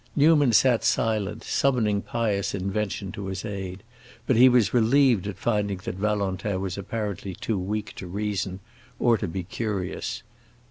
Newman sat silent, summoning pious invention to his aid, but he was relieved at finding that Valentin was apparently too weak to reason or to be curious.